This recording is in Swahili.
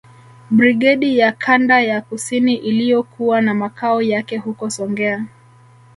Brigedi ya Kanda ya Kusini iliyokuwa na makao yake huko Songea